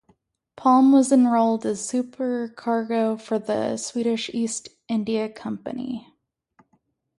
Palm was enrolled as supercargo for the Swedish East India Company.